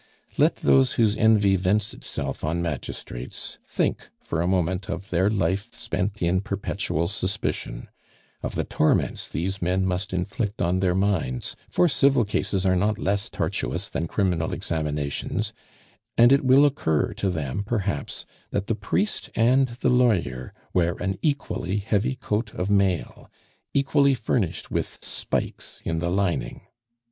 Let those whose envy vents itself on magistrates think for a moment of their life spent in perpetual suspicion, of the torments these men must inflict on their minds, for civil cases are not less tortuous than criminal examinations, and it will occur to them perhaps that the priest and the lawyer wear an equally heavy coat of mail, equally furnished with spikes in the lining.